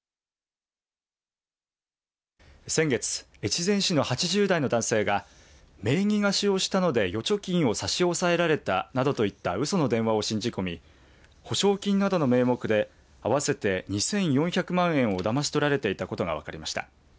先月、越前市の８０代の男性が名義貸しをしたので預貯金を差し押さえられたなどといったうその電話を信じ込み保証金などの名目で合わせて２４００万円をだまし取られていたことが分かりました。